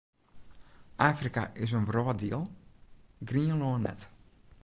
Afrika is in wrâlddiel, Grienlân net.